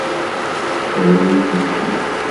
Terra-yi-tent-id.